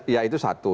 ya itu satu